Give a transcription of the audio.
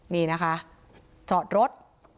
นี่นะคะจอดรถ